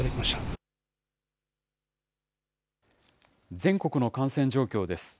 全国の感染状況です。